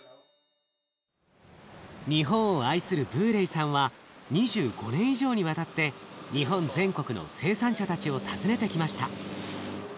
日本を愛するブーレイさんは２５年以上にわたって日本全国の生産者たちを訪ねてきました。